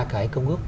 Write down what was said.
cái công ước